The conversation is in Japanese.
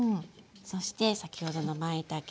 そして先ほどのまいたけ。